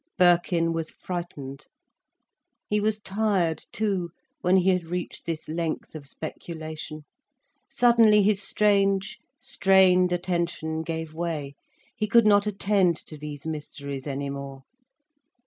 Birkin was frightened. He was tired too, when he had reached this length of speculation. Suddenly his strange, strained attention gave way, he could not attend to these mysteries any more.